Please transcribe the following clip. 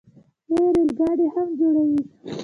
دوی ریل ګاډي هم جوړوي.